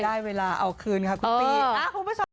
ได้เวลาเอาคืนค่ะคุณตี